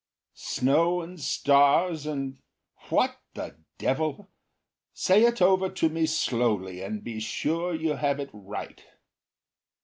Snow and stars, and what the devil! Say it over to me slowly, and be sure you have it right."